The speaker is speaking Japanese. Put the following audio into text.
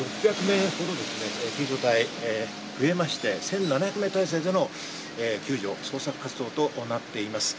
今日は昨日よりも６００名ほど救助隊が増えまして、１７００人態勢の救助、捜索活動となっています。